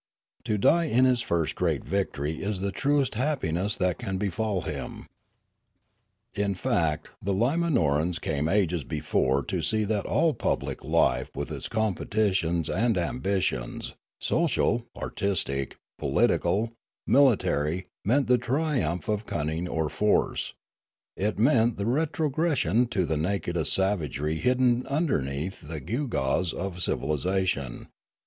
To die in his first great victory is the truest happiness that can befall him. In fact the Limanorans came ages before to see that all public life with its competitions and ambitions, social, artistic, political, military, meant the triumph of cunning or force; it meant the retrogression to the nakedest savagery hidden underneath the gewgaws of civilisation.